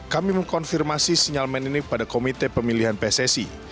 kami mengkonfirmasi sinyal meninip pada komite pemilihan pssi